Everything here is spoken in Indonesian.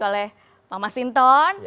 oleh bang masinton